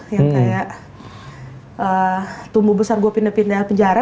yang kayak tumbuh besar gue pindah pindah penjara